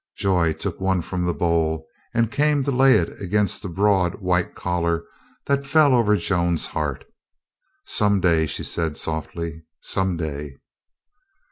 Joy took one from the bowl and came to lay it against the broad white collar that fell over Joan's heart. "Some day," she said softly. "Some day."